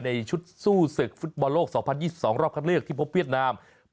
ในชุดสู้ศึกฟุตบอลโลก๒๐๒๒รอบคัดเลือกที่พบเวียดนาม